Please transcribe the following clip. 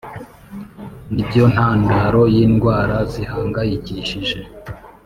nibyo ntandaro yindwara zihangayikishije